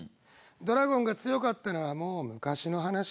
ドラゴンが強かったのはもう昔の話。